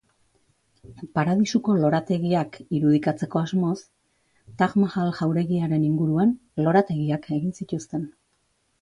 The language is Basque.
Paradisuko lorategiak iruditzeko asmoz, Taj Mahal jauregiaren inguruan lorategiak egin zituzten.